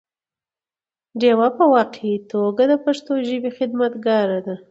ډيوه په واقعي توګه د پښتو ژبې خدمتګاره ده